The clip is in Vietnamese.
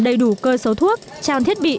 đầy đủ cơ số thuốc trang thiết bị